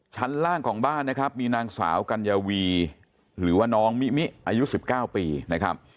ชั้นล่างของบ้านนะครับมีนางสาวกัญญาวีหรือว่าน้องมิมิอายุ๑๙ปีนะครับ